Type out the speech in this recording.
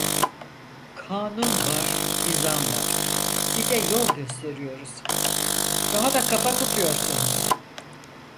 Kanun var, nizam var, size yol gösteriyoruz, daha da kafa tutuyorsunuz.